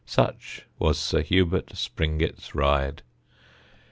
Such was Sir Herbert Springett's ride.